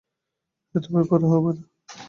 এত বেপরোয়া হবে না।